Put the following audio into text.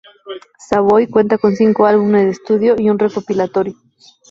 Savoy cuenta con cinco álbumes de estudio y un recopilatorio.